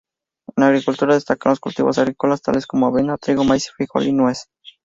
En agricultura destacan los cultivos agrícolas tales como avena, trigo, maíz, frijol y nuez.